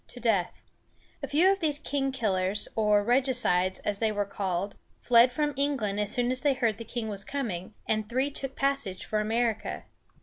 to death. A few of these king killers, or "reg´i cides," as they were called, fled from England as soon as they heard the king was coming, and three took passage for America.